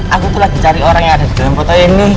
aku tuh lagi cari orang yang ada di dalam foto ini